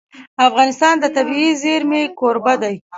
افغانستان د طبیعي زیرمې کوربه دی.